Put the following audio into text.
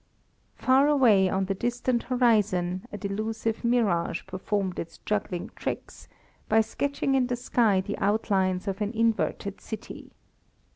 Far away on the distant horizon, a delusive mirage performed its juggling tricks, by sketching in the sky the outlines of an inverted city.